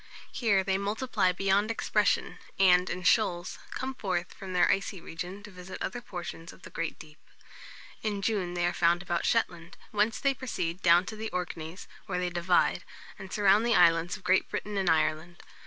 Here they multiply beyond expression, and, in shoals, come forth from their icy region to visit other portions of the great deep. In June they are found about Shetland, whence they proceed down to the Orkneys, where they divide, and surround the islands of Great Britain and Ireland.